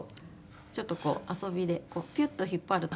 ちょっとこう遊びでピュッと引っ張ると。